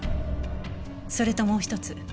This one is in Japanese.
それともうひとつ。